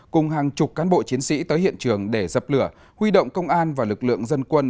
cùng hàng chục cán bộ chiến sĩ tới hiện trường để dập lửa huy động công an và lực lượng dân quân